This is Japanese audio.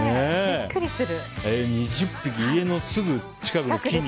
２０匹、家のすぐ近くの木に。